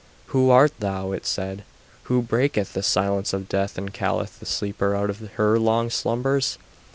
"Who art thou?" it said. "Who breaketh the silence of death, and calleth the sleeper out of her long slumbers?